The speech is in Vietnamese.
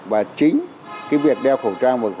và chính cái việc đeo khẩu trang